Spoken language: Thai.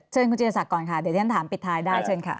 เชิญคุณจิรศักดิ์ก่อนค่ะเดี๋ยวที่ฉันถามปิดท้ายได้เชิญค่ะ